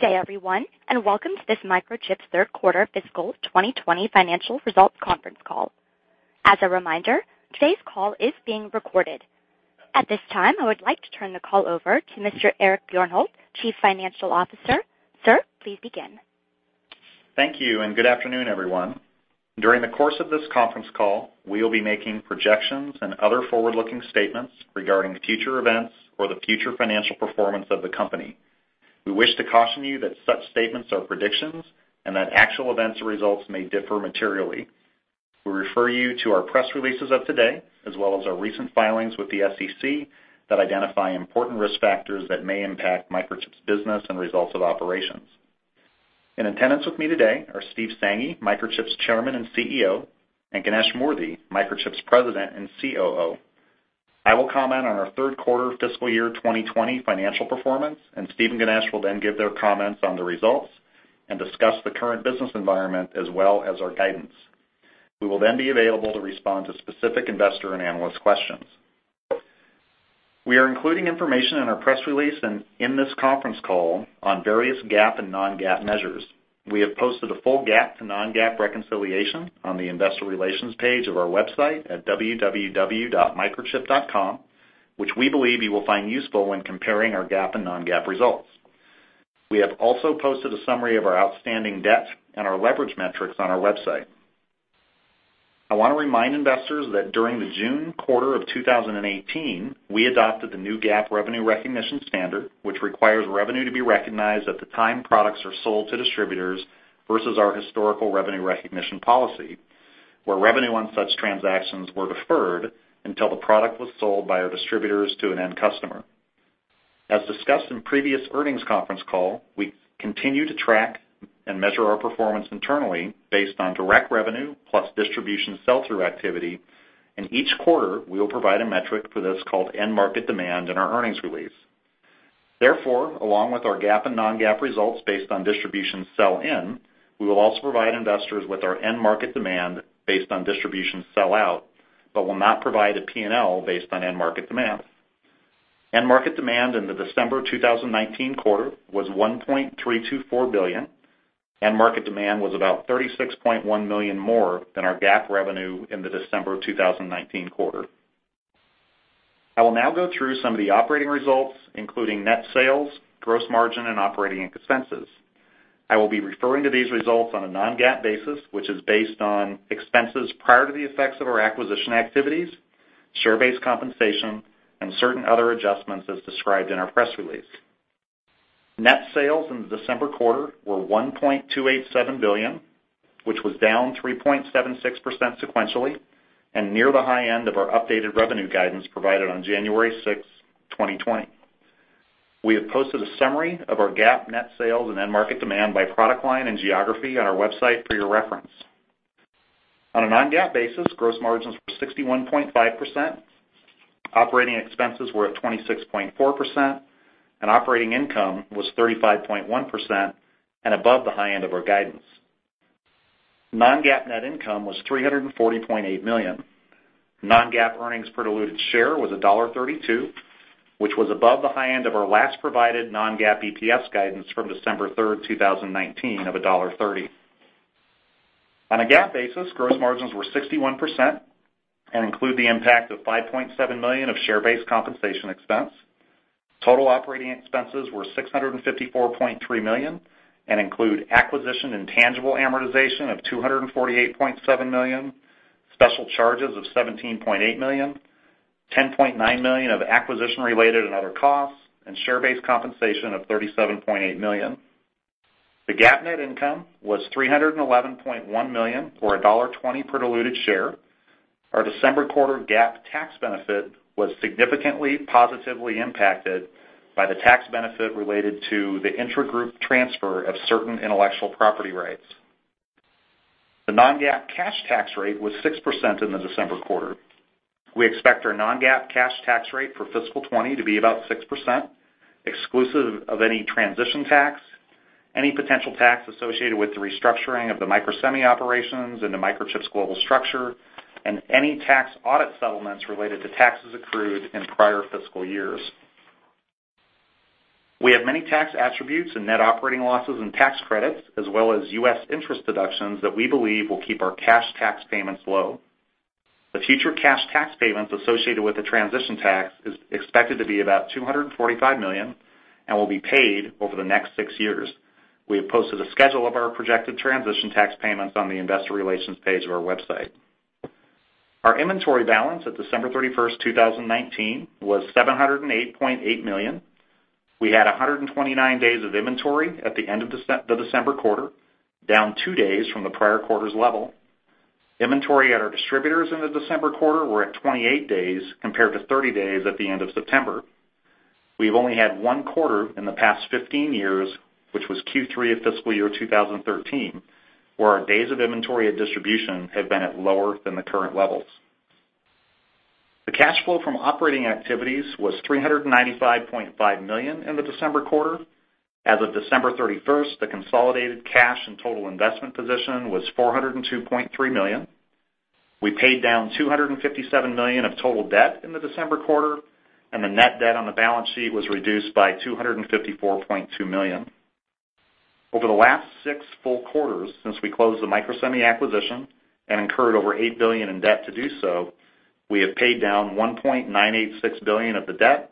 Good day everyone, welcome to this Microchip's third quarter fiscal 2020 financial results conference call. As a reminder, today's call is being recorded. At this time, I would like to turn the call over to Mr. Eric Bjornholt, Chief Financial Officer. Sir, please begin. Thank you, and good afternoon, everyone. During the course of this conference call, we will be making projections and other forward-looking statements regarding the future events or the future financial performance of the company. We wish to caution you that such statements are predictions, and that actual events or results may differ materially. We refer you to our press releases of today, as well as our recent filings with the SEC that identify important risk factors that may impact Microchip's business and results of operations. In attendance with me today are Steve Sanghi, Microchip's Chairman and CEO, and Ganesh Moorthy, Microchip's President and COO. I will comment on our third quarter fiscal year 2020 financial performance, and Steve and Ganesh will then give their comments on the results and discuss the current business environment, as well as our guidance. We will then be available to respond to specific investor and analyst questions. We are including information in our press release and in this conference call on various GAAP and non-GAAP measures. We have posted a full GAAP to non-GAAP reconciliation on the investor relations page of our website at www.microchip.com, which we believe you will find useful when comparing our GAAP and non-GAAP results. We have also posted a summary of our outstanding debt and our leverage metrics on our website. I want to remind investors that during the June quarter of 2018, we adopted the new GAAP revenue recognition standard, which requires revenue to be recognized at the time products are sold to distributors versus our historical revenue recognition policy, where revenue on such transactions were deferred until the product was sold by our distributors to an end customer. As discussed in previous earnings conference call, we continue to track and measure our performance internally based on direct revenue plus distribution sell-through activity. In each quarter, we will provide a metric for this called end market demand in our earnings release. Therefore, along with our GAAP and non-GAAP results based on distribution sell-in, we will also provide investors with our end market demand based on distribution sell-out, but will not provide a P&L based on end market demand. End market demand in the December 2019 quarter was $1.324 billion. End market demand was about $36.1 million more than our GAAP revenue in the December 2019 quarter. I will now go through some of the operating results, including net sales, gross margin, and operating expenses. I will be referring to these results on a non-GAAP basis, which is based on expenses prior to the effects of our acquisition activities, share-based compensation and certain other adjustments as described in our press release. Net sales in the December quarter were $1.287 billion, which was down 3.76% sequentially, and near the high end of our updated revenue guidance provided on January 6th, 2020. We have posted a summary of our GAAP net sales and end market demand by product line and geography on our website for your reference. On a non-GAAP basis, gross margins were 61.5%, operating expenses were at 26.4%, and operating income was 35.1% and above the high end of our guidance. Non-GAAP net income was $340.8 million. Non-GAAP earnings per diluted share was $1.32, which was above the high end of our last provided non-GAAP EPS guidance from December 3rd, 2019 of $1.30. On a GAAP basis, gross margins were 61% and include the impact of $5.7 million of share-based compensation expense. Total operating expenses were $654.3 million and include acquisition and tangible amortization of $248.7 million, special charges of $17.8 million, $10.9 million of acquisition-related and other costs, and share-based compensation of $37.8 million. The GAAP net income was $311.1 million, or $1.20 per diluted share. Our December quarter GAAP tax benefit was significantly positively impacted by the tax benefit related to the intragroup transfer of certain intellectual property rights. The non-GAAP cash tax rate was 6% in the December quarter. We expect our non-GAAP cash tax rate for fiscal 2020 to be about 6%, exclusive of any transition tax, any potential tax associated with the restructuring of the Microsemi operations into Microchip's global structure, and any tax audit settlements related to taxes accrued in prior fiscal years. We have many tax attributes and net operating losses and tax credits, as well as U.S. interest deductions that we believe will keep our cash tax payments low. The future cash tax payments associated with the transition tax is expected to be about $245 million and will be paid over the next six years. We have posted a schedule of our projected transition tax payments on the investor relations page of our website. Our inventory balance at December 31st, 2019, was $708.8 million. We had 129 days of inventory at the end of the December quarter, down two days from the prior quarter's level. Inventory at our distributors in the December quarter were at 28 days compared to 30 days at the end of September. We've only had one quarter in the past 15 years, which was Q3 of fiscal year 2013, where our days of inventory at distribution have been at lower than the current levels. The cash flow from operating activities was $395.5 million in the December quarter. As of December 31st, the consolidated cash and total investment position was $402.3 million. We paid down $257 million of total debt in the December quarter, and the net debt on the balance sheet was reduced by $254.2 million. Over the last six full quarters since we closed the Microsemi acquisition and incurred over $8 billion in debt to do so, we have paid down $1.986 billion of the debt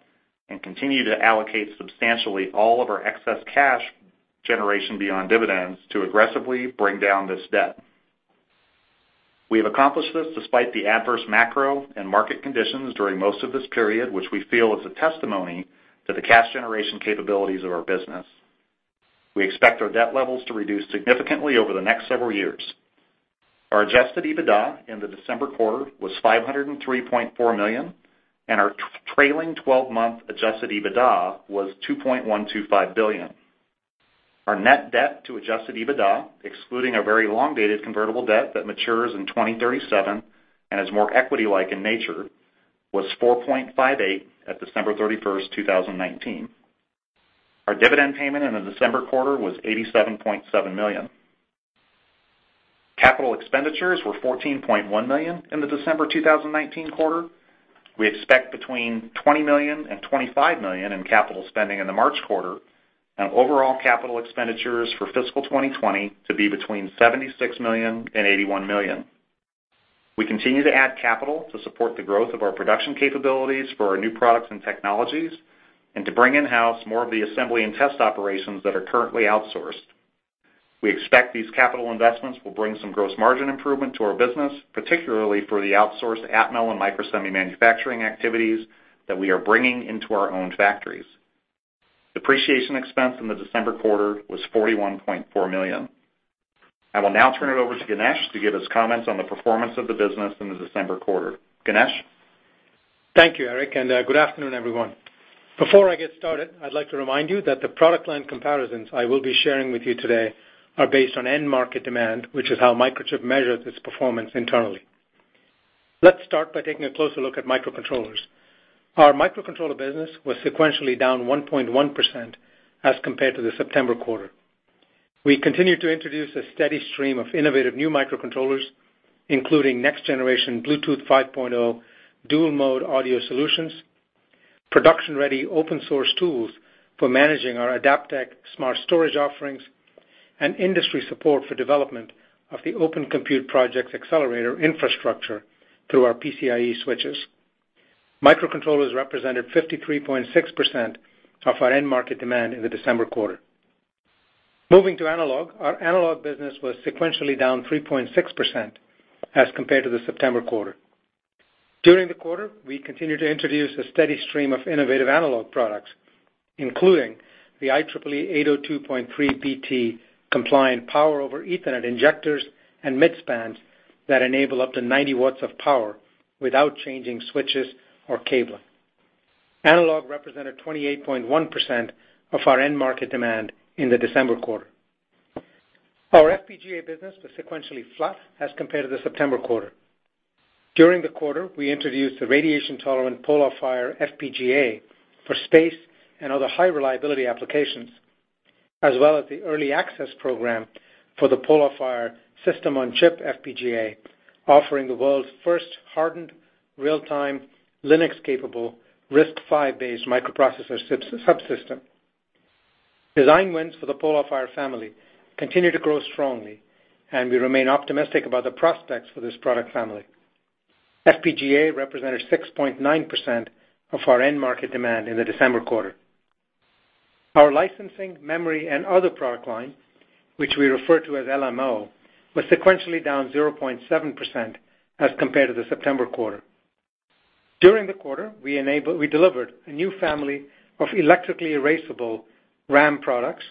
and continue to allocate substantially all of our excess cash generation beyond dividends to aggressively bring down this debt. We have accomplished this despite the adverse macro and market conditions during most of this period, which we feel is a testimony to the cash generation capabilities of our business. We expect our debt levels to reduce significantly over the next several years. Our Adjusted EBITDA in the December quarter was $503.4 million, and our trailing 12-month Adjusted EBITDA was $2.125 billion. Our net debt to Adjusted EBITDA, excluding a very long-dated convertible debt that matures in 2037 and is more equity-like in nature, was 4.58 at December 31st, 2019. Our dividend payment in the December quarter was $87.7 million. Capital expenditures were $14.1 million in the December 2019 quarter. We expect between $20 million and $25 million in capital spending in the March quarter, and overall capital expenditures for fiscal 2020 to be between $76 million and $81 million. We continue to add capital to support the growth of our production capabilities for our new products and technologies, and to bring in-house more of the assembly and test operations that are currently outsourced. We expect these capital investments will bring some gross margin improvement to our business, particularly for the outsourced Atmel and Microsemi manufacturing activities that we are bringing into our own factories. Depreciation expense in the December quarter was $41.4 million. I will now turn it over to Ganesh to give us comments on the performance of the business in the December quarter. Ganesh? Thank you, Eric. Good afternoon, everyone. Before I get started, I'd like to remind you that the product line comparisons I will be sharing with you today are based on end market demand, which is how Microchip measures its performance internally. Let's start by taking a closer look at microcontrollers. Our microcontroller business was sequentially down 1.1% as compared to the September quarter. We continue to introduce a steady stream of innovative new microcontrollers, including next generation Bluetooth 5.0 dual-mode audio solutions, production-ready open source tools for managing our Adaptec smart storage offerings, and industry support for development of the Open Compute Project's accelerator infrastructure through our PCIe switches. Microcontrollers represented 53.6% of our end market demand in the December quarter. Moving to analog, our analog business was sequentially down 3.6% as compared to the September quarter. During the quarter, we continued to introduce a steady stream of innovative analog products, including the IEEE 802.3bt compliant Power over Ethernet injectors and midspans that enable up to 90 watts of power without changing switches or cabling. Analog represented 28.1% of our end market demand in the December quarter. Our FPGA business was sequentially flat as compared to the September quarter. During the quarter, we introduced the radiation-tolerant PolarFire FPGA for space and other high reliability applications, as well as the early access program for the PolarFire system on chip FPGA, offering the world's first hardened real-time Linux-capable RISC-V based microprocessor subsystem. Design wins for the PolarFire family continue to grow strongly, and we remain optimistic about the prospects for this product family. FPGA represented 6.9% of our end market demand in the December quarter. Our licensing, memory, and other product line, which we refer to as LMO, was sequentially down 0.7% as compared to the September quarter. During the quarter, we delivered a new family of electrically erasable RAM products,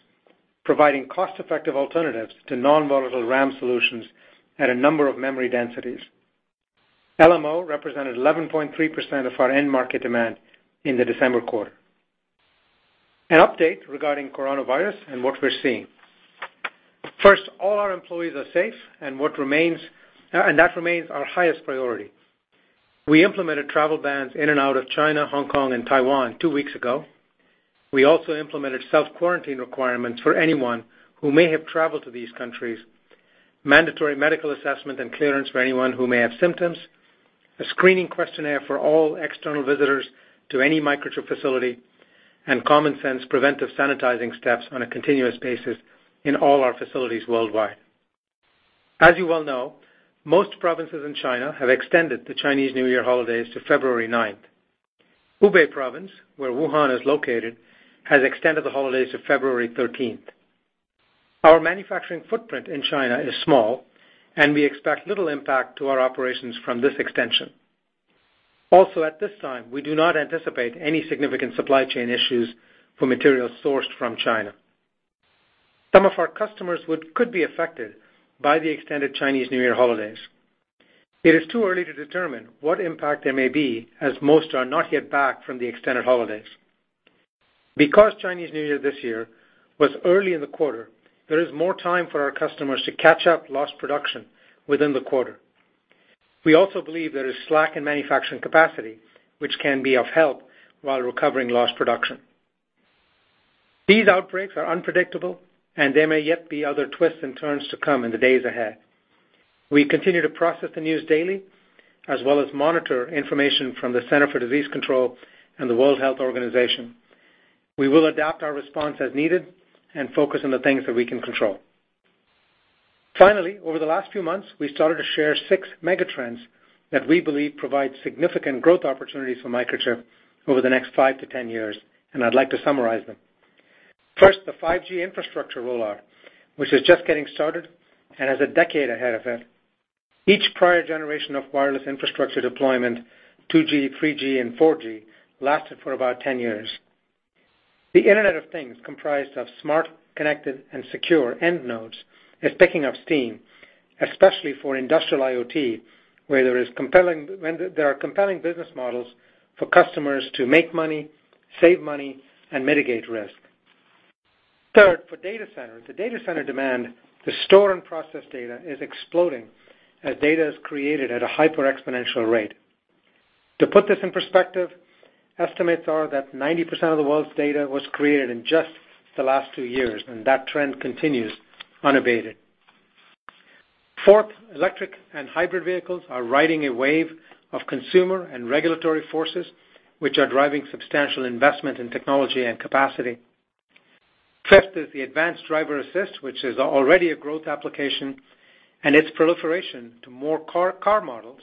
providing cost-effective alternatives to non-volatile RAM solutions at a number of memory densities. LMO represented 11.3% of our end market demand in the December quarter. An update regarding coronavirus and what we're seeing. First, all our employees are safe, and that remains our highest priority. We implemented travel bans in and out of China, Hong Kong, and Taiwan two weeks ago. We also implemented self-quarantine requirements for anyone who may have traveled to these countries, mandatory medical assessment and clearance for anyone who may have symptoms, a screening questionnaire for all external visitors to any Microchip facility, and common sense preventive sanitizing steps on a continuous basis in all our facilities worldwide. As you well know, most provinces in China have extended the Chinese New Year holidays to February ninth. Hubei province, where Wuhan is located, has extended the holidays to February 13th. Our manufacturing footprint in China is small, and we expect little impact to our operations from this extension. Also, at this time, we do not anticipate any significant supply chain issues for materials sourced from China. Some of our customers could be affected by the extended Chinese New Year holidays. It is too early to determine what impact there may be, as most are not yet back from the extended holidays. Because Chinese New Year this year was early in the quarter, there is more time for our customers to catch up lost production within the quarter. We also believe there is slack in manufacturing capacity, which can be of help while recovering lost production. These outbreaks are unpredictable, and there may yet be other twists and turns to come in the days ahead. We continue to process the news daily, as well as monitor information from the Center for Disease Control and the World Health Organization. We will adapt our response as needed and focus on the things that we can control. Finally, over the last few months, we started to share 6 megatrends that we believe provide significant growth opportunities for Microchip over the next five to 10 years, and I'd like to summarize them. First, the 5G infrastructure rollout, which is just getting started and has a decade ahead of it. Each prior generation of wireless infrastructure deployment, 2G, 3G, and 4G, lasted for about 10 years. The Internet of Things comprised of smart, connected, and secure end nodes is picking up steam, especially for industrial IoT, where there are compelling business models for customers to make money, save money, and mitigate risk. Third, for data centers, the data center demand to store and process data is exploding as data is created at a hyper-exponential rate. To put this in perspective, estimates are that 90% of the world's data was created in just the last two years, and that trend continues unabated. Fourth, electric and hybrid vehicles are riding a wave of consumer and regulatory forces, which are driving substantial investment in technology and capacity. Fifth is the advanced driver assist, which is already a growth application, and its proliferation to more car models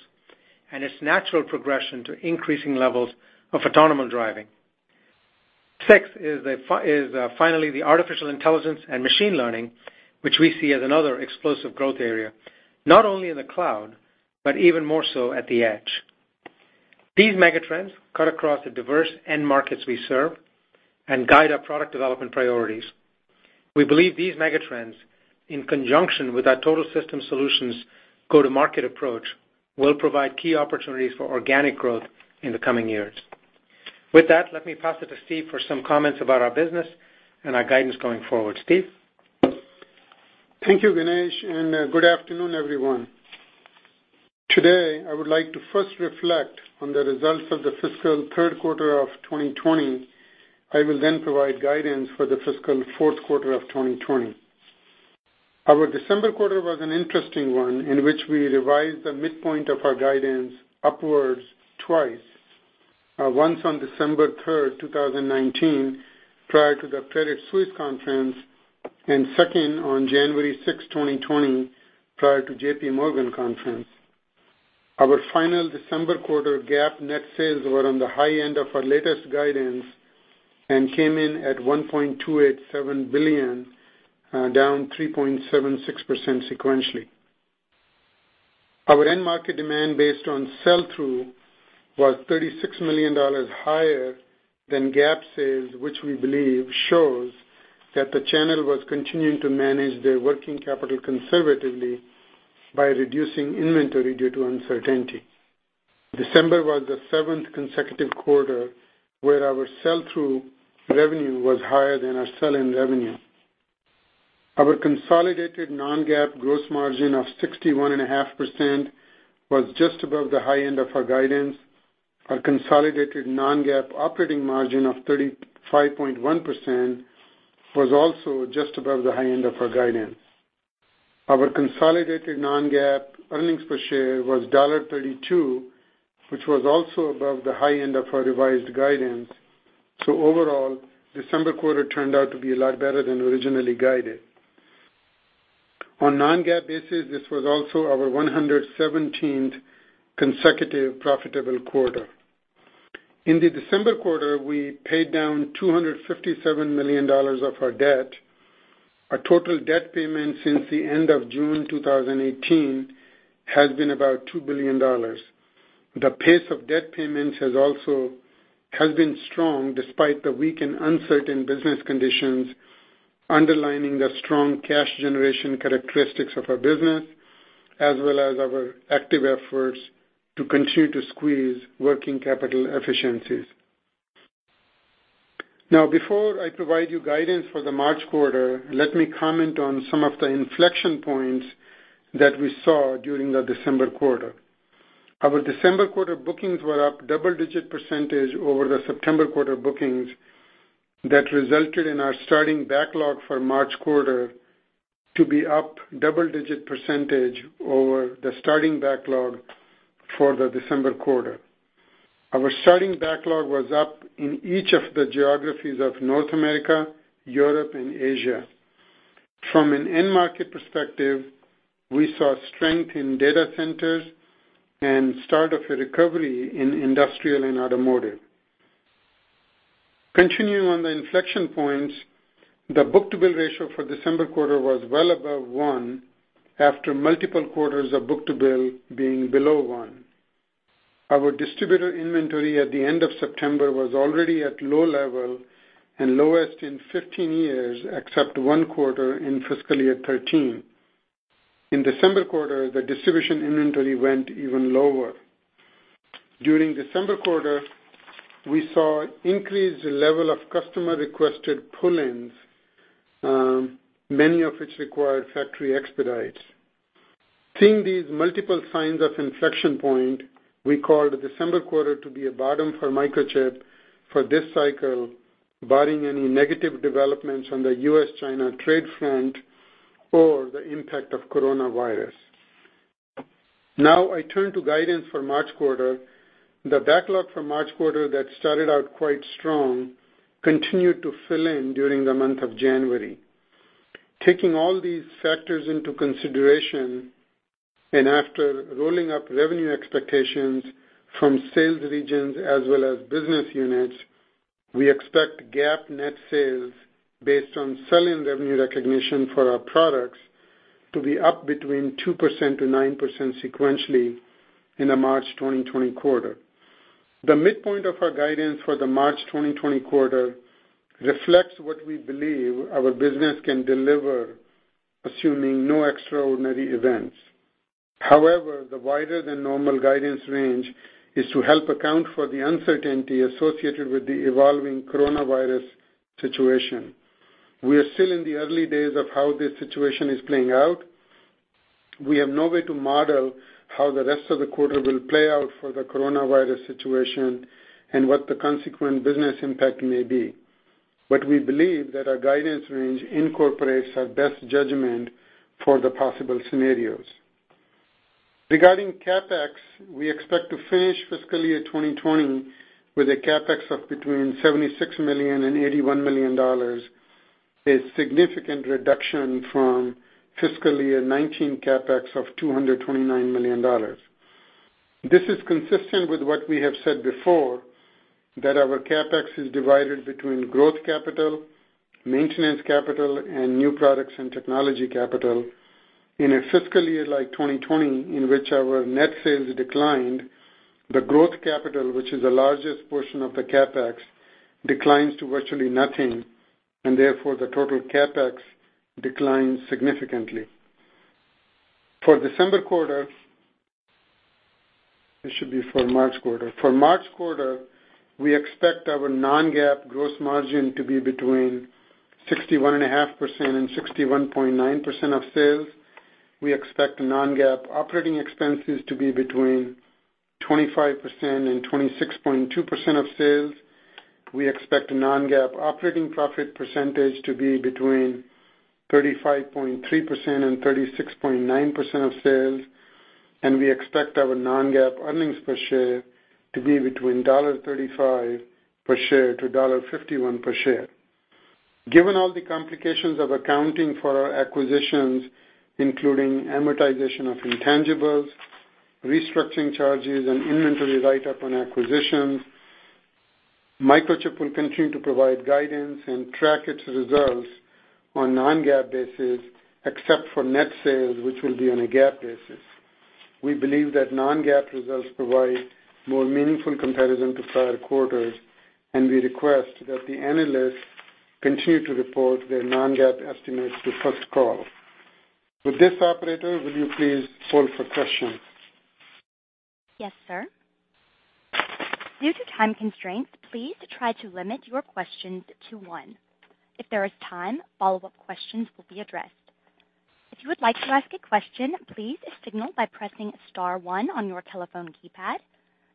and its natural progression to increasing levels of autonomous driving. Sixth is finally the artificial intelligence and machine learning, which we see as another explosive growth area, not only in the cloud, but even more so at the edge. These megatrends cut across the diverse end markets we serve and guide our product development priorities. We believe these megatrends, in conjunction with our total system solutions go-to-market approach, will provide key opportunities for organic growth in the coming years. With that, let me pass it to Steve for some comments about our business and our guidance going forward. Steve? Thank you, Ganesh, and good afternoon, everyone. Today, I would like to first reflect on the results of the fiscal third quarter of 2020. I will then provide guidance for the fiscal fourth quarter of 2020. Our December quarter was an interesting one in which we revised the midpoint of our guidance upwards twice. Once on December 3rd, 2019, prior to the Credit Suisse conference, and second on January 6th, 2020, prior to J.P. Morgan conference. Our final December quarter GAAP net sales were on the high end of our latest guidance and came in at $1.287 billion, down 3.76% sequentially. Our end market demand based on sell-through was $36 million higher than GAAP sales, which we believe shows that the channel was continuing to manage their working capital conservatively by reducing inventory due to uncertainty. December was the 7th consecutive quarter where our sell-through revenue was higher than our sell-in revenue. Our consolidated non-GAAP gross margin of 61.5% was just above the high end of our guidance. Our consolidated non-GAAP operating margin of 35.1% was also just above the high end of our guidance. Our consolidated non-GAAP earnings per share was $1.32, which was also above the high end of our revised guidance. Overall, December quarter turned out to be a lot better than originally guided. On non-GAAP basis, this was also our 117th consecutive profitable quarter. In the December quarter, we paid down $257 million of our debt. Our total debt payment since the end of June 2018 has been about $2 billion. The pace of debt payments has been strong despite the weak and uncertain business conditions, underlining the strong cash generation characteristics of our business, as well as our active efforts to continue to squeeze working capital efficiencies. Now, before I provide you guidance for the March quarter, let me comment on some of the inflection points that we saw during the December quarter. Our December quarter bookings were up double-digit percentage over the September quarter bookings that resulted in our starting backlog for March quarter to be up double-digit percentage over the starting backlog for the December quarter. Our starting backlog was up in each of the geographies of North America, Europe, and Asia. From an end market perspective, we saw strength in data centers and start of a recovery in industrial and automotive. Continuing on the inflection points, the book-to-bill ratio for December quarter was well above one after multiple quarters of book-to-bill being below one. Our distributor inventory at the end of September was already at low level and lowest in 15 years, except one quarter in fiscal year 2013. In December quarter, the distribution inventory went even lower. During December quarter, we saw increased level of customer-requested pull-ins, many of which required factory expedites. Seeing these multiple signs of inflection point, we call the December quarter to be a bottom for Microchip for this cycle, barring any negative developments on the U.S.-China trade front or the impact of coronavirus. Now I turn to guidance for March quarter. The backlog for March quarter that started out quite strong continued to fill in during the month of January. Taking all these factors into consideration, and after rolling up revenue expectations from sales regions as well as business units, we expect GAAP net sales based on sell-in revenue recognition for our products to be up between 2%-9% sequentially in the March 2020 quarter. The midpoint of our guidance for the March 2020 quarter reflects what we believe our business can deliver, assuming no extraordinary events. However, the wider than normal guidance range is to help account for the uncertainty associated with the evolving coronavirus situation. We are still in the early days of how this situation is playing out. We have no way to model how the rest of the quarter will play out for the coronavirus situation and what the consequent business impact may be. We believe that our guidance range incorporates our best judgment for the possible scenarios. Regarding CapEx, we expect to finish fiscal year 2020 with a CapEx of between $76 million and $81 million, a significant reduction from fiscal year 2019 CapEx of $229 million. This is consistent with what we have said before, that our CapEx is divided between growth capital, maintenance capital, and new products and technology capital. In a fiscal year like 2020, in which our net sales declined, the growth capital, which is the largest portion of the CapEx, declines to virtually nothing, and therefore the total CapEx declines significantly. For December quarter. This should be for March quarter. For March quarter, we expect our non-GAAP gross margin to be between 61.5% and 61.9% of sales. We expect non-GAAP operating expenses to be between 25% and 26.2% of sales. We expect non-GAAP operating profit percentage to be between 35.3%-36.9% of sales. We expect our non-GAAP earnings per share to be between $1.35 per share-$1.51 per share. Given all the complications of accounting for our acquisitions, including amortization of intangibles, restructuring charges, and inventory write-up on acquisitions, Microchip will continue to provide guidance and track its results on non-GAAP basis, except for net sales, which will be on a GAAP basis. We believe that non-GAAP results provide more meaningful comparison to prior quarters. We request that the analysts continue to report their non-GAAP estimates to First Call. With this, operator, will you please poll for questions? Yes, sir. Due to time constraints, please try to limit your questions to one. If there is time, follow-up questions will be addressed. If you would like to ask a question, please signal by pressing star one on your telephone keypad.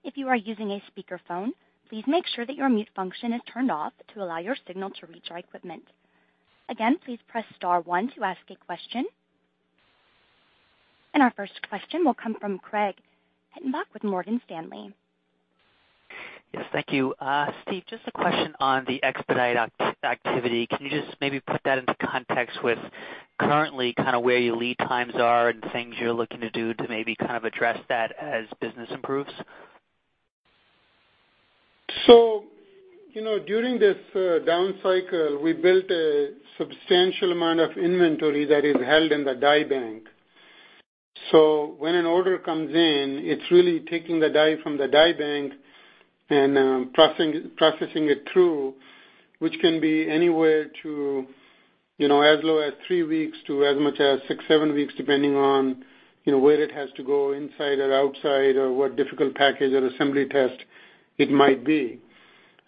If you are using a speakerphone, please make sure that your mute function is turned off to allow your signal to reach our equipment. Again, please press star one to ask a question. Our first question will come from Craig Hettenbach with Morgan Stanley. Yes, thank you. Steve, just a question on the expedite activity. Can you just maybe put that into context with currently kind of where your lead times are and things you're looking to do to maybe kind of address that as business improves? During this down cycle, we built a substantial amount of inventory that is held in the die bank. When an order comes in, it's really taking the die from the die bank and processing it through, which can be anywhere to as low as three weeks to as much as six, seven weeks, depending on where it has to go inside or outside or what difficult package or assembly test it might be.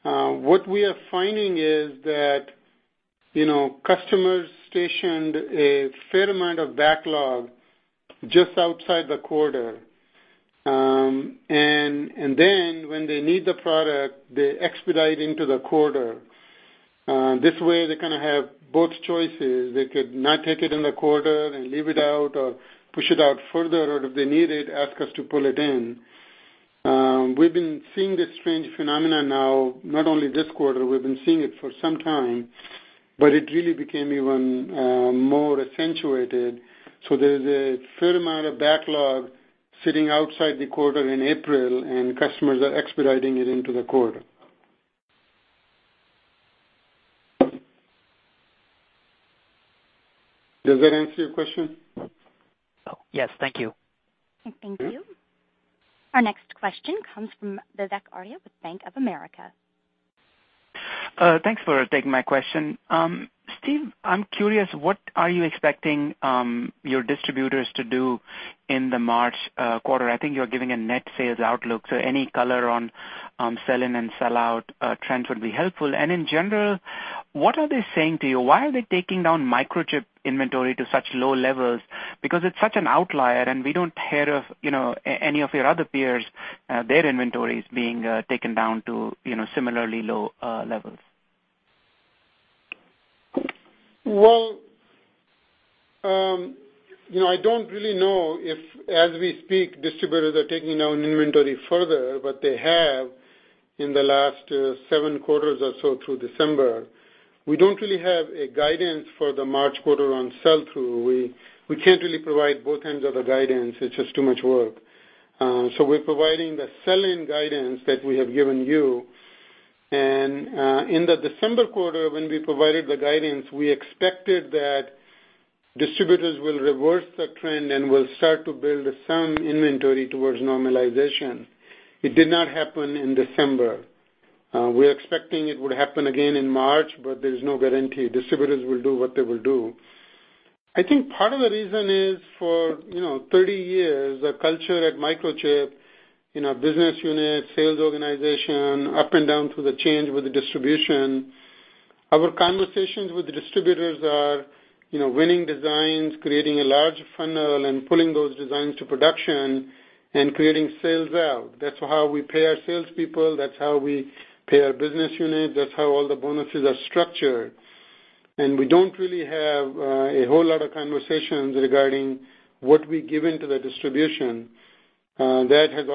What we are finding is that customers stationed a fair amount of backlog just outside the quarter, and then when they need the product, they expedite into the quarter. This way, they kind of have both choices. They could not take it in the quarter and leave it out or push it out further, or if they need it, ask us to pull it in. We've been seeing this strange phenomenon now, not only this quarter, we've been seeing it for some time, but it really became even more accentuated. There's a fair amount of backlog sitting outside the quarter in April, and customers are expediting it into the quarter. Does that answer your question? Yes. Thank you. Thank you. Our next question comes from Vivek Arya with Bank of America. Thanks for taking my question. Steve, I'm curious, what are you expecting your distributors to do in the March quarter? I think you're giving a net sales outlook, so any color on sell-in and sell-out trends would be helpful. What are they saying to you? Why are they taking down Microchip inventory to such low levels? Because it's such an outlier, and we don't hear of any of your other peers, their inventories being taken down to similarly low levels. I don't really know if, as we speak, distributors are taking down inventory further, but they have in the last seven quarters or so through December. We don't really have a guidance for the March quarter on sell-through. We can't really provide both ends of the guidance. It's just too much work. We're providing the sell-in guidance that we have given you. In the December quarter, when we provided the guidance, we expected that distributors will reverse the trend and will start to build some inventory towards normalization. It did not happen in December. We're expecting it would happen again in March, but there's no guarantee. Distributors will do what they will do. I think part of the reason is for 30 years, the culture at Microchip in our business unit, sales organization, up and down through the change with the distribution, our conversations with the distributors are winning designs, creating a large funnel, and pulling those designs to production and creating sales out. That's how we pay our salespeople, that's how we pay our business units, that's how all the bonuses are structured. We don't really have a whole lot of conversations regarding what we give into the distribution. That has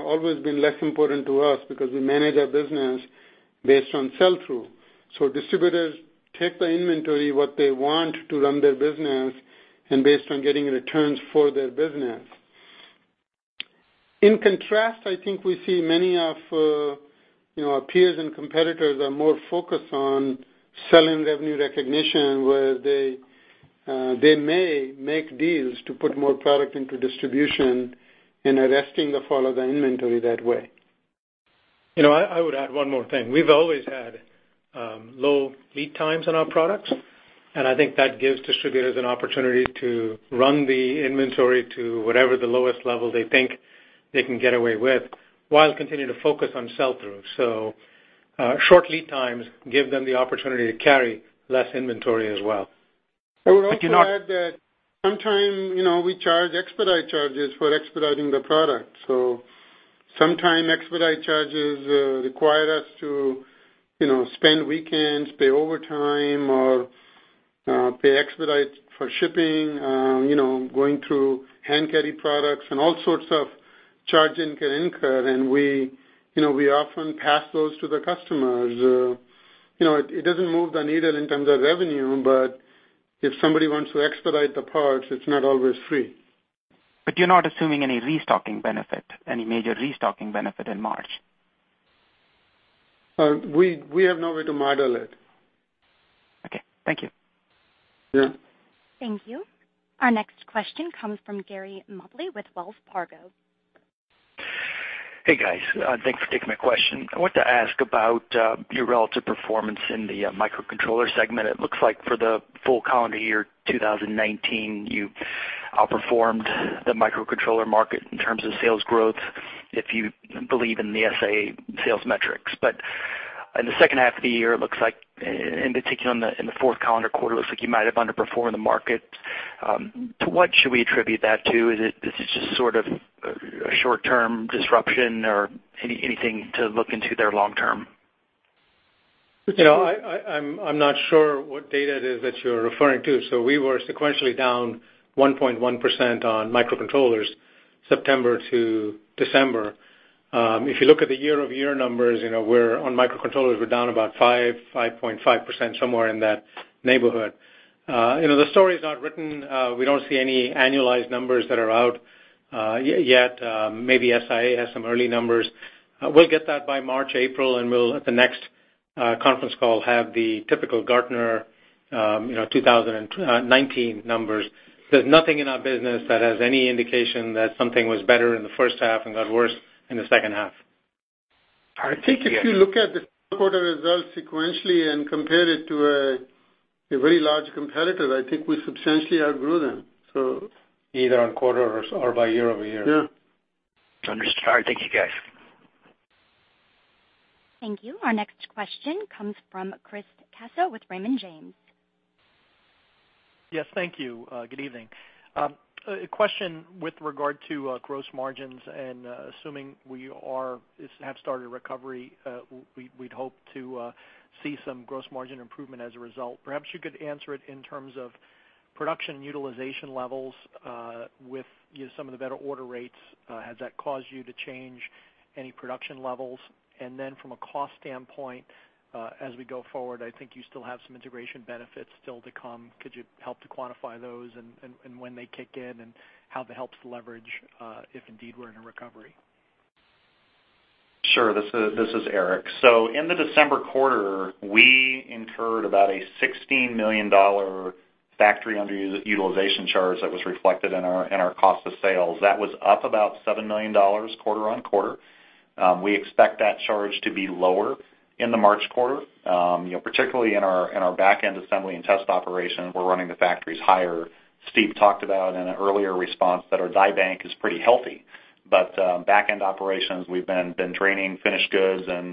always been less important to us because we manage our business based on sell-through. Distributors take the inventory, what they want to run their business, and based on getting returns for their business. In contrast, I think we see many of our peers and competitors are more focused on selling revenue recognition, where they may make deals to put more product into distribution and arresting the fall of the inventory that way. I would add one more thing. We've always had low lead times on our products, and I think that gives distributors an opportunity to run the inventory to whatever the lowest level they think they can get away with while continuing to focus on sell-through. Short lead times give them the opportunity to carry less inventory as well. I would also add that sometimes, we charge expedite charges for expediting the product. Sometimes expedite charges require us to spend weekends, pay overtime, or pay expedites for shipping, going through hand-carry products, and all sorts of charges can incur, and we often pass those to the customers. It doesn't move the needle in terms of revenue, but if somebody wants to expedite the parts, it's not always free. You're not assuming any restocking benefit, any major restocking benefit in March? We have no way to model it. Okay. Thank you. Yeah. Thank you. Our next question comes from Gary Mobley with Wells Fargo. Hey, guys. Thanks for taking my question. I want to ask about your relative performance in the microcontroller segment. It looks like for the full calendar year 2019, you outperformed the microcontroller market in terms of sales growth, if you believe in the SIA sales metrics. In the second half of the year, it looks like in particular in the fourth calendar quarter, it looks like you might have underperformed the market. To what should we attribute that to? Is it just sort of a short-term disruption or anything to look into there long term? Yeah, I'm not sure what data it is that you're referring to. We were sequentially down 1.1% on microcontrollers September to December. If you look at the YoY numbers, on microcontrollers, we're down about five, 5.5%, somewhere in that neighborhood. The story is not written. We don't see any annualized numbers that are out yet. Maybe SIA has some early numbers. We'll get that by March, April, and we'll at the next conference call have the typical Gartner 2019 numbers. There's nothing in our business that has any indication that something was better in the first half and got worse in the second half. I think if you look at the quarter results sequentially and compare it to a very large competitor, I think we substantially outgrew them. Either on quarter or by YoY. Yeah. Understood. Thank you, guys. Thank you. Our next question comes from Chris Caso with Raymond James. Yes, thank you. Good evening. A question with regard to gross margins and assuming we have started recovery, we'd hope to see some gross margin improvement as a result. Perhaps you could answer it in terms of production utilization levels, with some of the better order rates, has that caused you to change any production levels? From a cost standpoint, as we go forward, I think you still have some integration benefits still to come. Could you help to quantify those and when they kick in and how that helps leverage, if indeed we're in a recovery? Sure. This is Eric. In the December quarter, we incurred about a $16 million factory underutilization charge that was reflected in our cost of sales. That was up about $7 million QoQ. We expect that charge to be lower in the March quarter. Particularly in our back-end assembly and test operation, we're running the factories higher. Steve talked about in an earlier response that our die bank is pretty healthy. Back-end operations, we've been training finished goods and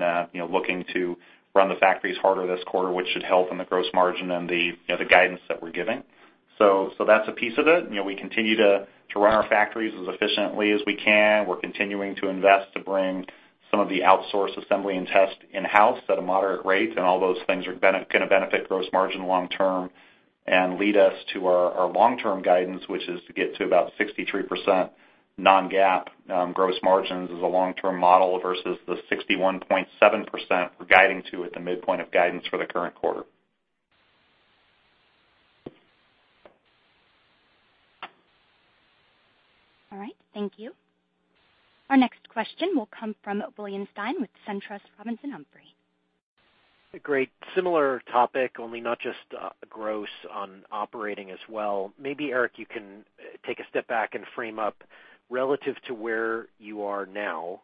looking to run the factories harder this quarter, which should help in the gross margin and the guidance that we're giving. That's a piece of it. We continue to run our factories as efficiently as we can. We're continuing to invest to bring some of the outsourced assembly and test in-house at a moderate rate. All those things are going to benefit gross margin long term and lead us to our long-term guidance, which is to get to about 63% non-GAAP gross margins as a long-term model versus the 61.7% we're guiding to at the midpoint of guidance for the current quarter. All right, thank you. Our next question will come from William Stein with SunTrust Robinson Humphrey. Great. Similar topic, only not just gross on operating as well. Maybe, Eric, you can take a step back and frame up relative to where you are now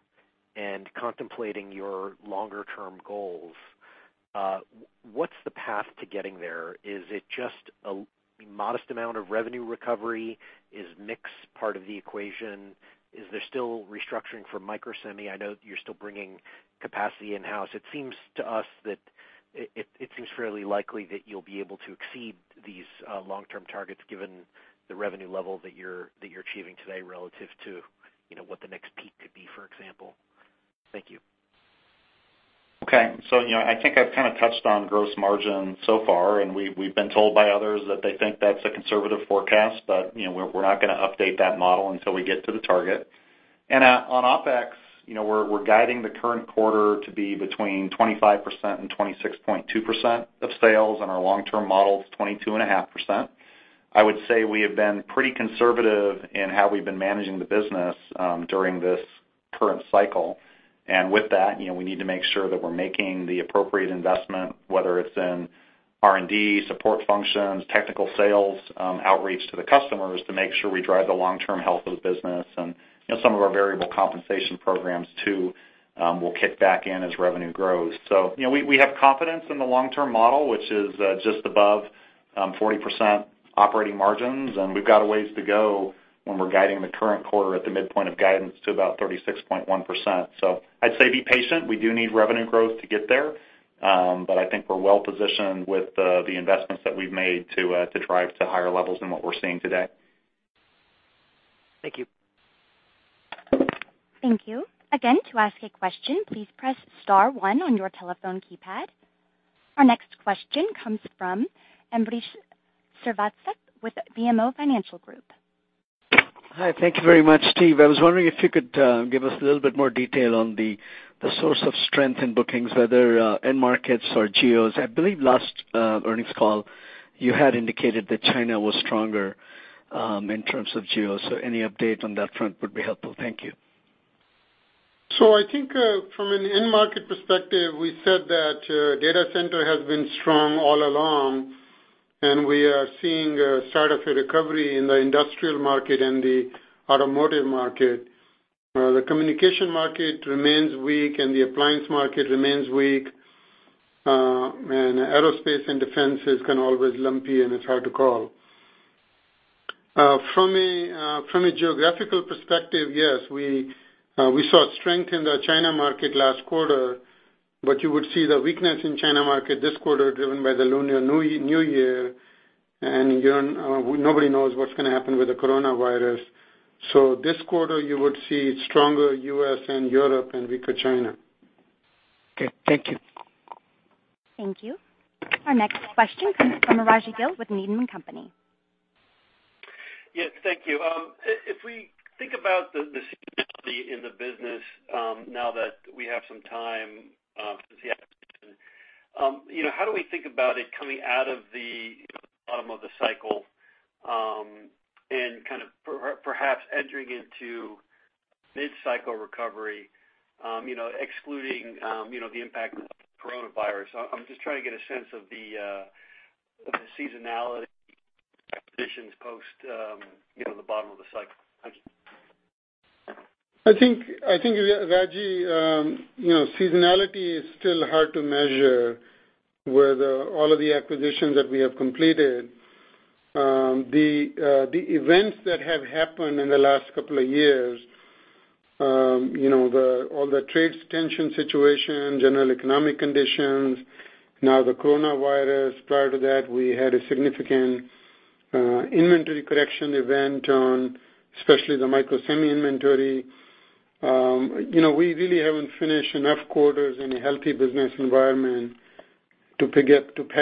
and contemplating your longer-term goals. What's the path to getting there? Is it just a modest amount of revenue recovery? Is mix part of the equation? Is there still restructuring for Microsemi? I know you're still bringing capacity in-house. It seems to us that it seems fairly likely that you'll be able to exceed these long-term targets given the revenue level that you're achieving today relative to what the next peak could be, for example. Thank you. I think I've kind of touched on gross margin so far. We've been told by others that they think that's a conservative forecast. We're not going to update that model until we get to the target. On OpEx, we're guiding the current quarter to be between 25% and 26.2% of sales. Our long-term model is 22.5%. I would say we have been pretty conservative in how we've been managing the business during this current cycle. With that, we need to make sure that we're making the appropriate investment, whether it's in R&D, support functions, technical sales, outreach to the customers to make sure we drive the long-term health of the business. Some of our variable compensation programs, too, will kick back in as revenue grows. We have confidence in the long-term model, which is just above 40% operating margins, and we've got a ways to go when we're guiding the current quarter at the midpoint of guidance to about 36.1%. I'd say be patient. We do need revenue growth to get there, but I think we're well-positioned with the investments that we've made to drive to higher levels than what we're seeing today. Thank you. Thank you. To ask a question, please press star one on your telephone keypad. Our next question comes from Ambrish Srivastava with BMO Financial Group. Hi. Thank you very much. Steve, I was wondering if you could give us a little bit more detail on the source of strength in bookings, whether end markets or geos. I believe last earnings call, you had indicated that China was stronger in terms of geos. Any update on that front would be helpful. Thank you. I think from an end market perspective, we said that data center has been strong all along, and we are seeing start of a recovery in the industrial market and the automotive market. The communication market remains weak, and the appliance market remains weak. Aerospace and defense is kind of always lumpy, and it's hard to call. From a geographical perspective, yes, we saw strength in the China market last quarter, but you would see the weakness in China market this quarter driven by the Lunar New Year, and nobody knows what's going to happen with the coronavirus. This quarter, you would see stronger U.S. and Europe and weaker China. Okay. Thank you. Thank you. Our next question comes from Rajvindra Gill with Needham & Company. Yes. Thank you. If we think about the seasonality in the business now that we have some time since the acquisition, how do we think about it coming out of the bottom of the cycle and kind of perhaps entering into mid-cycle recovery excluding the impact of the coronavirus? I'm just trying to get a sense of the seasonality conditions post the bottom of the cycle. Thank you. I think, Rajee, seasonality is still hard to measure with all of the acquisitions that we have completed. The events that have happened in the last couple of years, all the trade tension situation, general economic conditions, now the coronavirus. Prior to that, we had a significant inventory correction event on especially the Microsemi inventory. We really haven't finished enough quarters in a healthy business environment to peg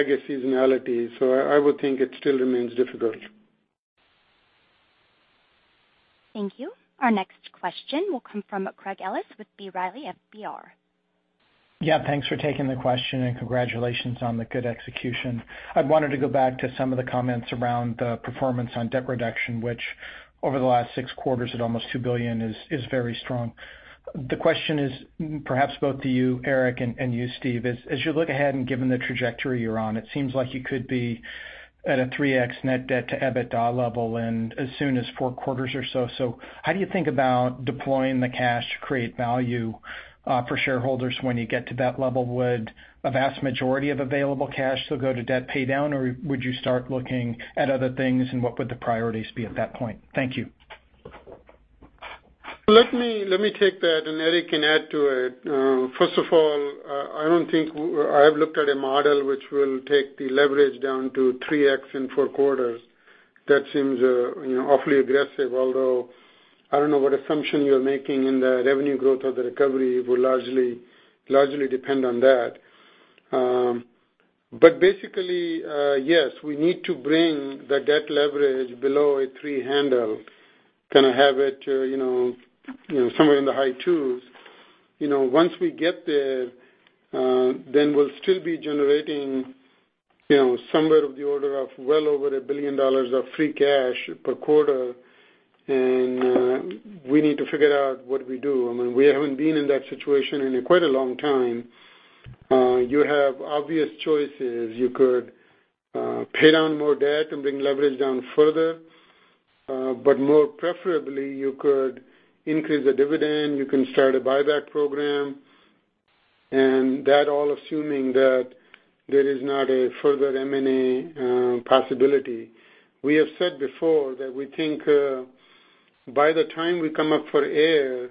a seasonality. I would think it still remains difficult. Thank you. Our next question will come from Craig Ellis with B. Riley FBR. Yeah, thanks for taking the question and congratulations on the good execution. I wanted to go back to some of the comments around the performance on debt reduction, which over the last six quarters at almost $2 billion is very strong. The question is perhaps both to you, Eric, and you, Steve, as you look ahead and given the trajectory you're on, it seems like you could be at a 3x net debt-to-EBITDA level, and as soon as four quarters or so. How do you think about deploying the cash to create value for shareholders when you get to that level? Would a vast majority of available cash still go to debt paydown, or would you start looking at other things? What would the priorities be at that point? Thank you. Let me take that, and Eric can add to it. First of all, I don't think I've looked at a model which will take the leverage down to 3x in four quarters. That seems awfully aggressive, although I don't know what assumption you're making in the revenue growth of the recovery, it will largely depend on that. Basically, yes, we need to bring the debt leverage below a three handle, kind of have it somewhere in the high twos. Once we get there, then we'll still be generating somewhere of the order of well over $1 billion of free cash per quarter, and we need to figure out what we do. I mean, we haven't been in that situation in quite a long time. You have obvious choices. You could pay down more debt and bring leverage down further. More preferably, you could increase the dividend, you can start a buyback program, and that all assuming that there is not a further M&A possibility. We have said before that we think by the time we come up for air,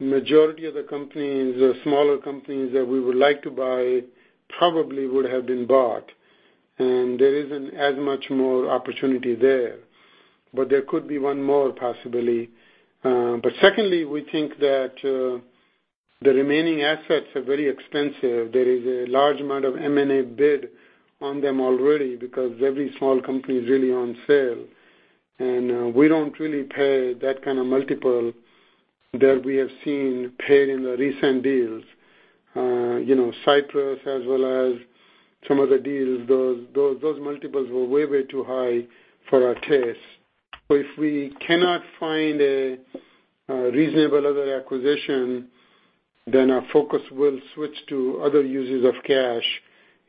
majority of the companies or smaller companies that we would like to buy probably would have been bought, and there isn't as much more opportunity there. There could be one more, possibly. Secondly, we think that the remaining assets are very expensive. There is a large amount of M&A bid on them already because every small company is really on sale. We don't really pay that kind of multiple that we have seen paid in the recent deals. Cypress as well as some other deals, those multiples were way too high for our taste. If we cannot find a reasonable other acquisition, then our focus will switch to other uses of cash,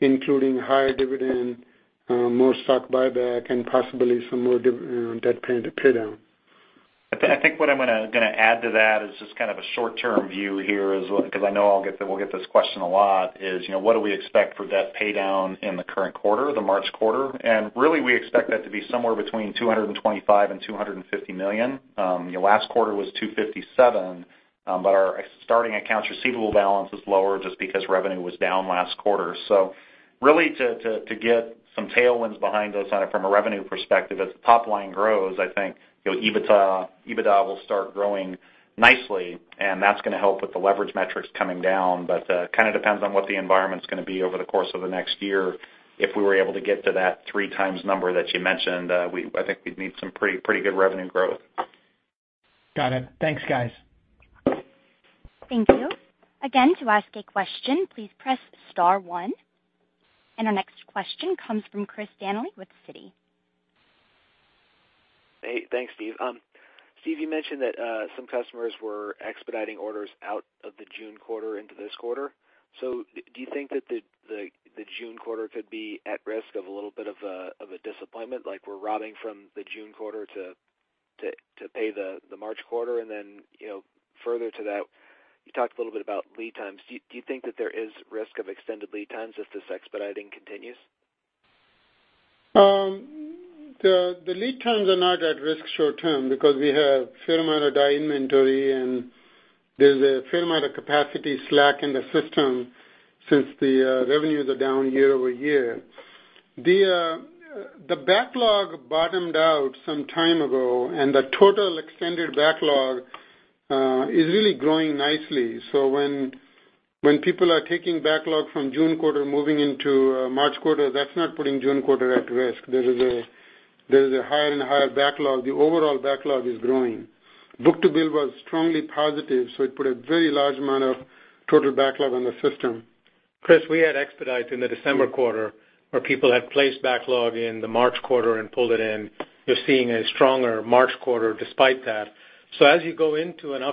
including higher dividend, more stock buyback, and possibly some more debt paydown. I think what I'm going to add to that is just kind of a short-term view here, because I know we'll get this question a lot, is what do we expect for debt paydown in the current quarter, the March quarter? Really, we expect that to be somewhere between $225 million and $250 million. Last quarter was $257 million, our starting accounts receivable balance is lower just because revenue was down last quarter. Really to get some tailwinds behind us on it from a revenue perspective, as the top line grows, I think EBITDA will start growing nicely, and that's going to help with the leverage metrics coming down. Kind of depends on what the environment's going to be over the course of the next year. If we were able to get to that three times number that you mentioned, I think we'd need some pretty good revenue growth. Got it. Thanks, guys. Thank you. Again, to ask a question, please press star one. Our next question comes from Chris Danely with Citi. Hey, thanks, Steve. Steve, you mentioned that some customers were expediting orders out of the June quarter into this quarter. Do you think that the June quarter could be at risk of a little bit of a disappointment, like we're robbing from the June quarter to pay the March quarter? Further to that, you talked a little bit about lead times. Do you think that there is risk of extended lead times if this expediting continues? The lead times are not at risk short term because we have fair amount of die inventory and there's a fair amount of capacity slack in the system since the revenues are down YoY. The backlog bottomed out some time ago, and the total extended backlog is really growing nicely. When people are taking backlog from June quarter moving into March quarter, that's not putting June quarter at risk. There is a higher and higher backlog. The overall backlog is growing. Book-to-bill was strongly positive, so it put a very large amount of total backlog on the system. Chris, we had expedite in the December quarter, where people had placed backlog in the March quarter and pulled it in. You're seeing a stronger March quarter despite that. As you go into an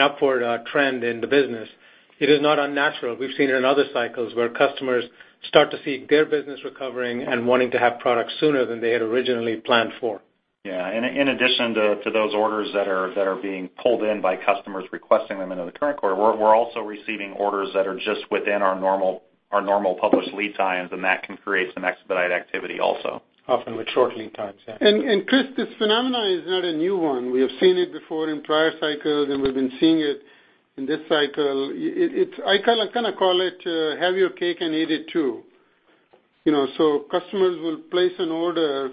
upward trend in the business, it is not unnatural. We've seen it in other cycles where customers start to see their business recovering and wanting to have products sooner than they had originally planned for. Yeah. In addition to those orders that are being pulled in by customers requesting them into the current quarter, we're also receiving orders that are just within our normal published lead times, and that can create some expedite activity also. Often with short lead times, yeah. Chris, this phenomenon is not a new one. We have seen it before in prior cycles, and we've been seeing it in this cycle. I kind of call it have your cake and eat it too. Customers will place an order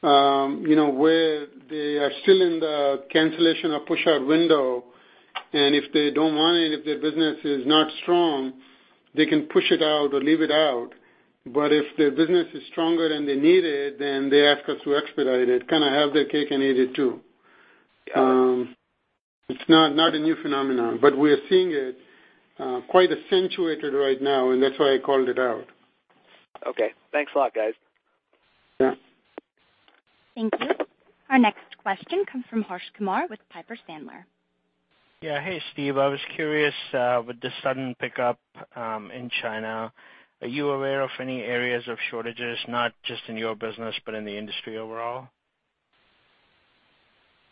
where they are still in the cancellation or push-out window, and if they don't want it, if their business is not strong, they can push it out or leave it out. If their business is stronger than they need it, then they ask us to expedite it, kind of have their cake and eat it too. It's not a new phenomenon, but we're seeing it quite accentuated right now, and that's why I called it out. Okay. Thanks a lot, guys. Yeah. Thank you. Our next question comes from Harsh Kumar with Piper Sandler. Yeah. Hey, Steve. I was curious, with the sudden pickup in China, are you aware of any areas of shortages, not just in your business, but in the industry overall?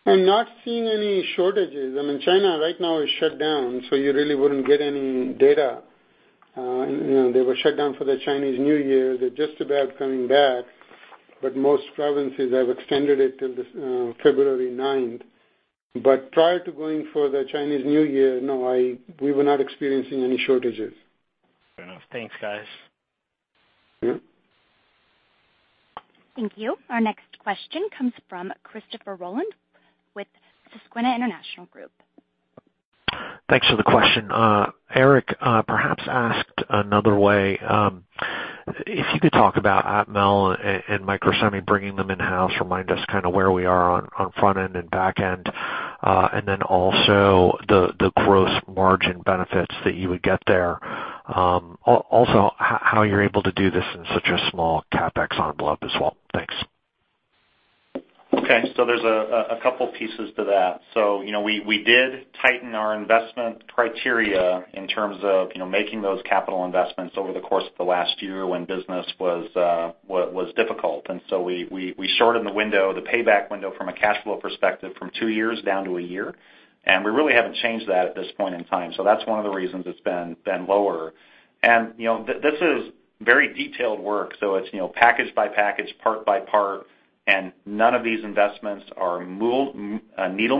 I'm not seeing any shortages. China right now is shut down, so you really wouldn't get any data. They were shut down for the Chinese New Year. They're just about coming back, but most provinces have extended it till February 9th. Prior to going for the Chinese New Year, no, we were not experiencing any shortages. Fair enough. Thanks, guys. Yeah. Thank you. Our next question comes from Christopher Rolland with Susquehanna International Group. Thanks for the question. Eric, perhaps asked another way, if you could talk about Atmel and Microsemi bringing them in-house, remind us kind of where we are on front-end and back end, and then also the gross margin benefits that you would get there. Also, how you're able to do this in such a small CapEx envelope as well. Thanks. There's a couple pieces to that. We did tighten our investment criteria in terms of making those capital investments over the course of the last year when business was difficult. We shortened the window, the payback window, from a cash flow perspective, from two years down to a year. We really haven't changed that at this point in time. That's one of the reasons it's been lower. This is very detailed work, so it's package by package, part by part, and none of these investments are needle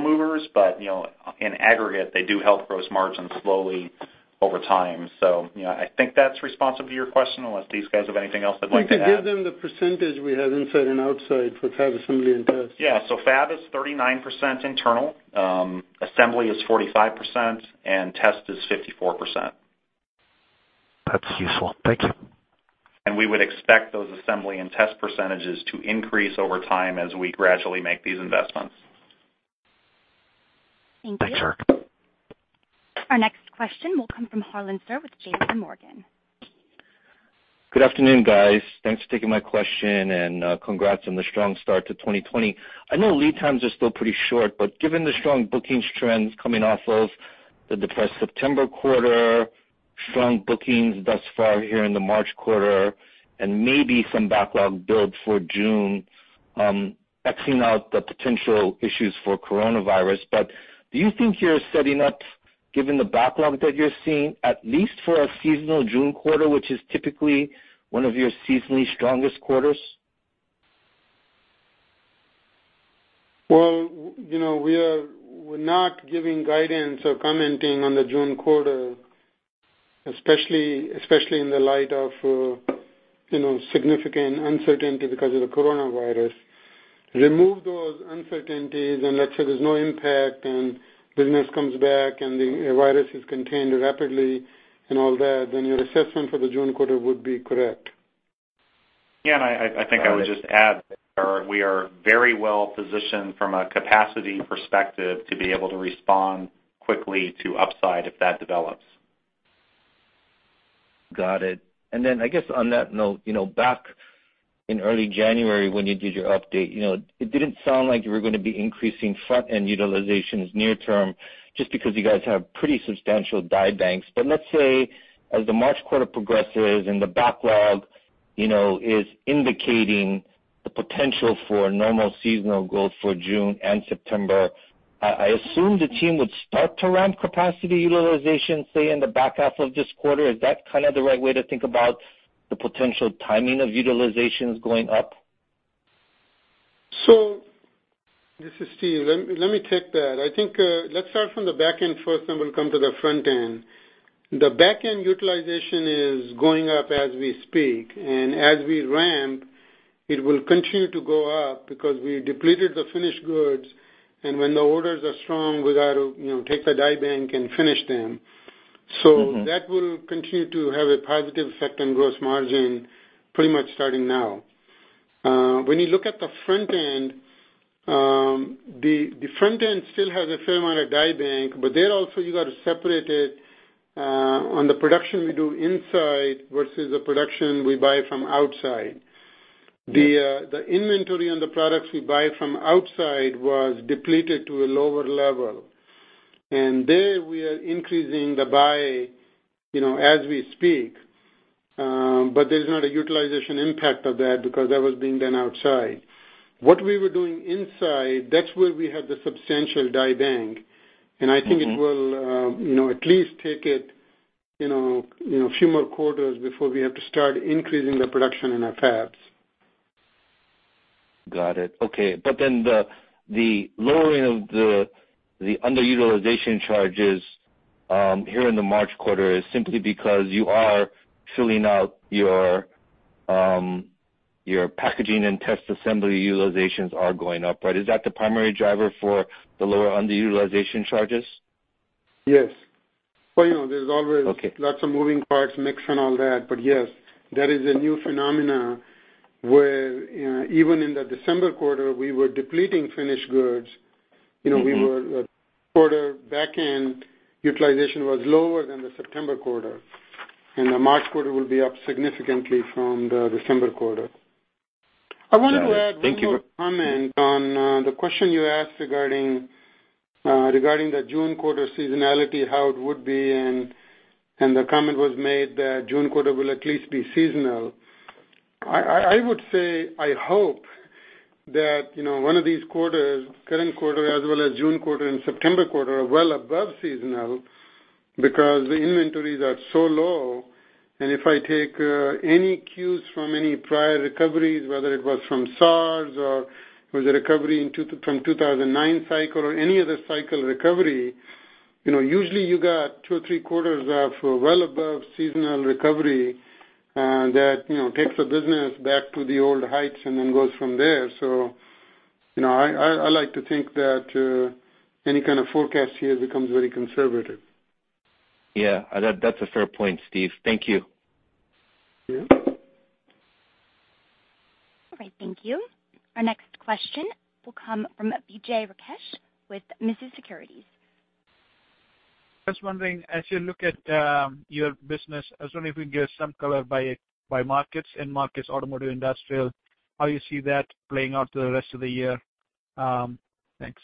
movers, but in aggregate, they do help gross margin slowly over time. I think that's responsive to your question, unless these guys have anything else they'd like to add. I think to give them the percentage we have inside and outside for fab assembly and test. Yeah. fab is 39% internal. Assembly is 45%, and test is 54%. That's useful. Thank you. We would expect those assembly and test percentages to increase over time as we gradually make these investments. Thank you. Thanks, Eric. Our next question will come from Harlan Sur with J.P. Morgan. Good afternoon, guys. Thanks for taking my question, and congrats on the strong start to 2020. I know lead times are still pretty short, but given the strong bookings trends coming off of the depressed September quarter, strong bookings thus far here in the March quarter, and maybe some backlog build for June, exing out the potential issues for coronavirus, but do you think you're setting up, given the backlog that you're seeing, at least for a seasonal June quarter, which is typically one of your seasonally strongest quarters? Well, we're not giving guidance or commenting on the June quarter, especially in the light of significant uncertainty because of the coronavirus. Remove those uncertainties, let's say there's no impact and business comes back and the virus is contained rapidly and all that, then your assessment for the June quarter would be correct. Yeah, I think I would just add there, we are very well-positioned from a capacity perspective to be able to respond quickly to upside if that develops. Got it. I guess on that note, back in early January when you did your update, it didn't sound like you were going to be increasing front-end utilizations near term just because you guys have pretty substantial die banks. Let's say as the March quarter progresses and the backlog is indicating the potential for normal seasonal growth for June and September, I assume the team would start to ramp capacity utilization, say, in the back half of this quarter. Is that kind of the right way to think about the potential timing of utilizations going up? This is Steve. Let me take that. I think let's start from the back-end first, we'll come to the front-end. The back-end utilization is going up as we speak, and as we ramp, it will continue to go up because we depleted the finished goods, and when the orders are strong, we got to take the die bank and finish them. That will continue to have a positive effect on gross margin pretty much starting now. When you look at the front end, the front end still has a fair amount of die bank, there also you got to separate it on the production we do inside versus the production we buy from outside. Yeah. The inventory on the products we buy from outside was depleted to a lower level. There we are increasing the buy as we speak. There's not a utilization impact of that because that was being done outside. What we were doing inside, that's where we had the substantial die bank. it will at least take it a few more quarters before we have to start increasing the production in our fabs. Got it. Okay. The lowering of the underutilization charges here in the March quarter is simply because you are filling out your packaging and test assembly utilizations are going up, right? Is that the primary driver for the lower underutilization charges? Yes. Well. Okay. Yes, that is a new phenomenon where even in the December quarter, we were depleting finished goods. Back-end utilization was lower than the September quarter, and the March quarter will be up significantly from the December quarter. Thank you. I wanted to add one more comment on the question you asked regarding the June quarter seasonality, how it would be in. The comment was made that June quarter will at least be seasonal. I would say, I hope that one of these quarters, current quarter as well as June quarter and September quarter, are well above seasonal because the inventories are so low. If I take any cues from any prior recoveries, whether it was from SARS or it was a recovery from 2009 cycle or any other cycle recovery, usually you got two or three quarters of well above seasonal recovery that takes the business back to the old heights and then goes from there. I like to think that any kind of forecast here becomes very conservative. Yeah. That's a fair point, Steve. Thank you. Yeah. All right. Thank you. Our next question will come from Vijay Rakesh with Mizuho Securities. Just wondering, as you look at your business, I was wondering if you can give some color by markets, end markets, automotive, industrial, how you see that playing out through the rest of the year. Thanks.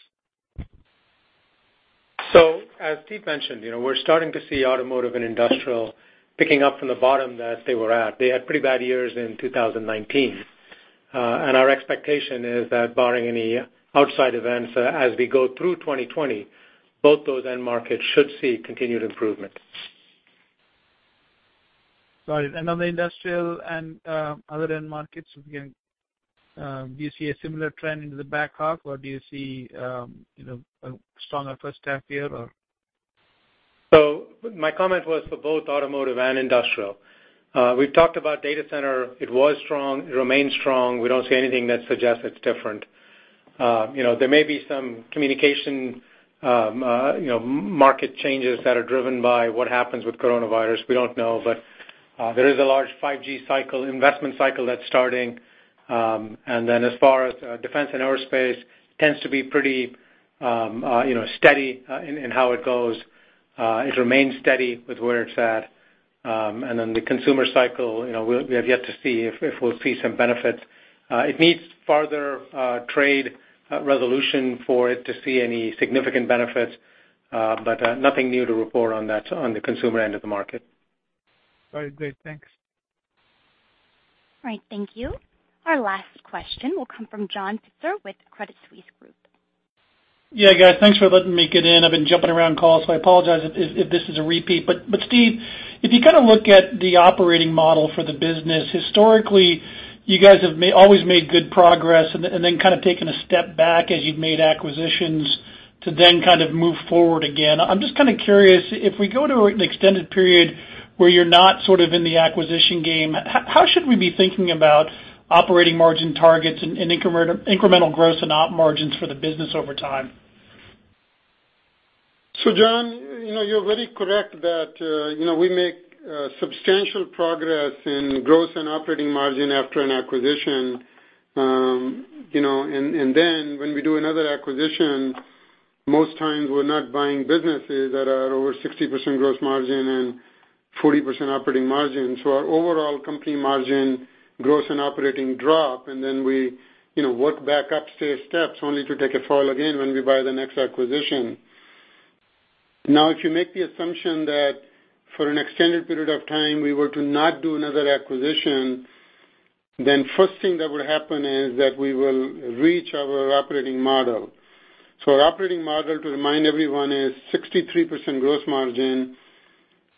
As Steve mentioned, we're starting to see automotive and industrial picking up from the bottom that they were at. They had pretty bad years in 2019. Our expectation is that barring any outside events as we go through 2020, both those end markets should see continued improvement. Got it. On the industrial and other end markets, again, do you see a similar trend into the back half, or do you see a stronger first half here or? My comment was for both automotive and industrial. We've talked about data center. It was strong. It remains strong. We don't see anything that suggests it's different. There may be some communication market changes that are driven by what happens with coronavirus. We don't know. There is a large 5G cycle, investment cycle that's starting. As far as defense and aerospace, tends to be pretty steady in how it goes. It remains steady with where it's at. The consumer cycle, we have yet to see if we'll see some benefits. It needs further trade resolution for it to see any significant benefits. Nothing new to report on that, on the consumer end of the market. All right. Great. Thanks. All right. Thank you. Our last question will come from John Pitzer with Credit Suisse Group. Yeah, guys. Thanks for letting me get in. I've been jumping around calls, so I apologize if this is a repeat. Steve, if you look at the operating model for the business, historically, you guys have always made good progress and then kind of taken a step back as you've made acquisitions to then kind of move forward again. I'm just kind of curious, if we go to an extended period where you're not sort of in the acquisition game, how should we be thinking about operating margin targets and incremental gross and op margins for the business over time? John, you're very correct that we make substantial progress in gross and operating margin after an acquisition. Then when we do another acquisition, most times we're not buying businesses that are over 60% gross margin and 40% operating margin. Our overall company margin gross and operating drop, and then we work back up stair steps only to take a fall again when we buy the next acquisition. If you make the assumption that for an extended period of time we were to not do another acquisition, then first thing that would happen is that we will reach our operating model. Our operating model, to remind everyone, is 63% gross margin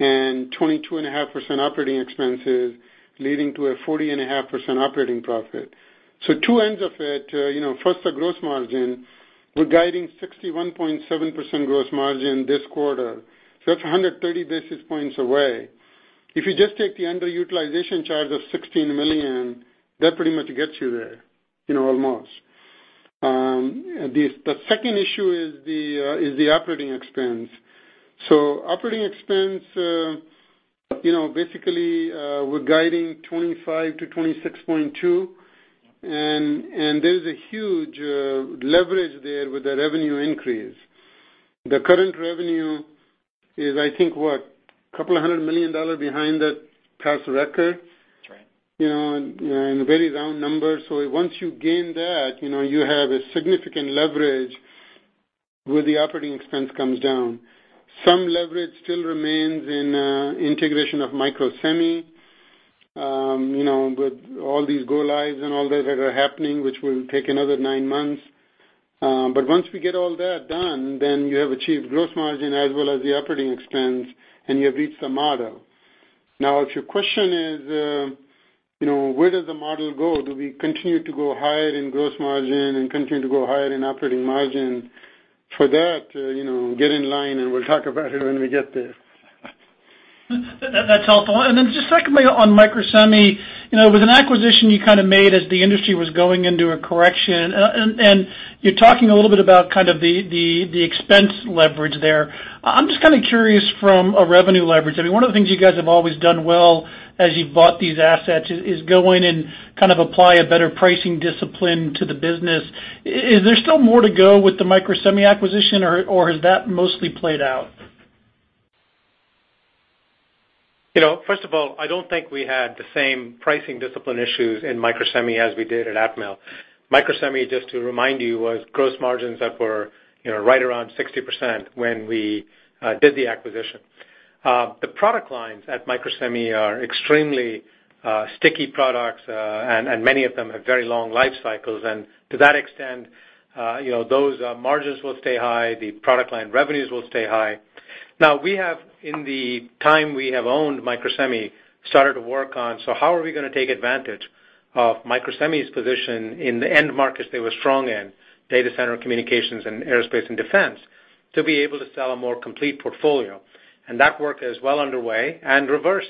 and 22.5% operating expenses, leading to a 40.5% operating profit. Two ends of it. First, the gross margin. We're guiding 61.7% gross margin this quarter. That's 130 basis points away. If you just take the underutilization charge of $16 million, that pretty much gets you there, almost. The second issue is the operating expense. Operating expense, basically, we're guiding $25 million-$26.2 million, and there's a huge leverage there with the revenue increase. The current revenue is, I think, what? A couple of hundred million dollars behind that past record? That's right. In very round numbers. Once you gain that, you have a significant leverage where the operating expense comes down. Some leverage still remains in integration of Microsemi with all these go lives and all that are happening, which will take another nine months. Once we get all that done, then you have achieved gross margin as well as the operating expense, and you have reached the model. Now, if your question is where does the model go? Do we continue to go higher in gross margin and continue to go higher in operating margin? For that, get in line and we'll talk about it when we get there. That's helpful. Then just secondly on Microsemi, with an acquisition you kind of made as the industry was going into a correction, and you're talking a little bit about kind of the expense leverage there. I'm just kind of curious from a revenue leverage. I mean, one of the things you guys have always done well as you've bought these assets is go in and kind of apply a better pricing discipline to the business. Is there still more to go with the Microsemi acquisition, or has that mostly played out? First of all, I don't think we had the same pricing discipline issues in Microsemi as we did at Atmel. Microsemi, just to remind you, was gross margins that were right around 60% when we did the acquisition. The product lines at Microsemi are extremely sticky products, and many of them have very long life cycles. To that extent, those margins will stay high. The product line revenues will stay high. Now we have, in the time we have owned Microsemi, started to work on how are we going to take advantage of Microsemi's position in the end markets they were strong in, data center, communications, and aerospace and defense, to be able to sell a more complete portfolio. That work is well underway. Reverse,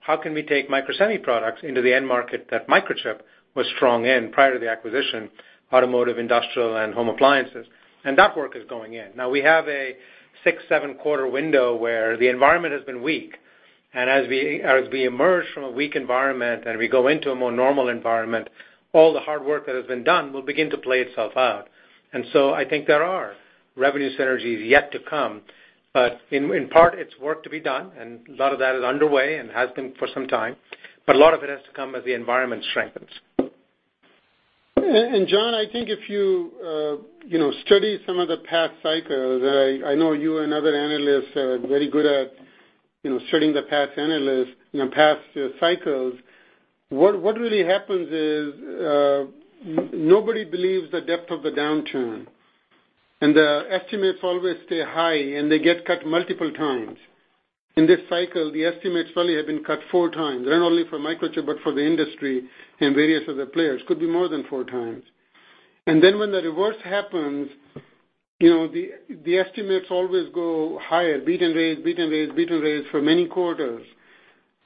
how can we take Microsemi products into the end market that Microchip was strong in prior to the acquisition, automotive, industrial, and home appliances, and that work is going in. Now we have a six, seven-quarter window where the environment has been weak, and as we emerge from a weak environment and we go into a more normal environment, all the hard work that has been done will begin to play itself out. I think there are revenue synergies yet to come, but in part it's work to be done, and a lot of that is underway and has been for some time. A lot of it has to come as the environment strengthens. John, I think if you study some of the past cycles, I know you and other analysts are very good at studying the past cycles. What really happens is nobody believes the depth of the downturn, and the estimates always stay high, and they get cut multiple times. In this cycle, the estimates probably have been cut four times, not only for Microchip but for the industry and various other players. Could be more than four times. When the reverse happens, the estimates always go higher. Beat and raise for many quarters.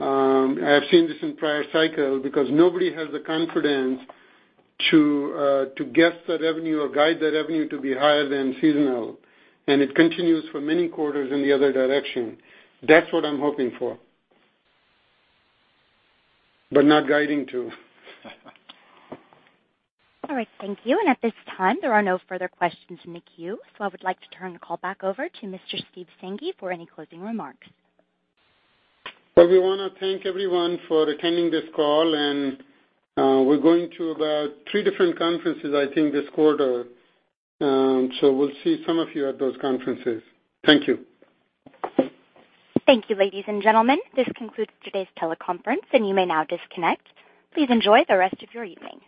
I have seen this in prior cycles because nobody has the confidence to guess the revenue or guide the revenue to be higher than seasonal, and it continues for many quarters in the other direction. That's what I'm hoping for, but not guiding to. All right, thank you. At this time, there are no further questions in the queue. I would like to turn the call back over to Mr. Steve Sanghi for any closing remarks. Well, we want to thank everyone for attending this call, and we're going to about three different conferences, I think, this quarter. We'll see some of you at those conferences. Thank you. Thank you, ladies and gentlemen. This concludes today's teleconference, and you may now disconnect. Please enjoy the rest of your evening.